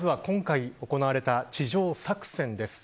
まずは今回行われた地上作戦です。